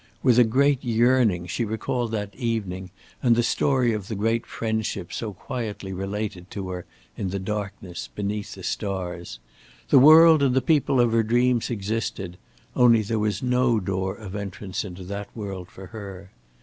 With a great yearning she recalled that evening and the story of the great friendship so quietly related to her in the darkness, beneath the stars. The world and the people of her dreams existed; only there was no door of entrance into that world for her.